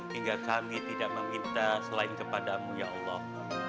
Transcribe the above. hingga kami tidak meminta selain kepada mu ya allah